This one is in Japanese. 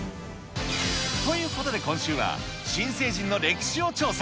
ということで、今週は新成人の歴史を調査。